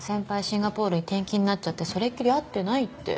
シンガポールに転勤になっちゃってそれっきり会ってないって。